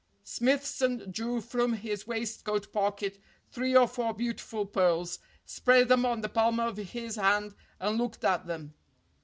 Smithson drew from his waistcoat pocket three or four beautiful pearls, spread them on the palm of his hand, and looked at them.